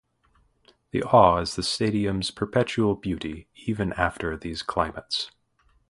The awe is the stadium's perpetual beauty even after these climates.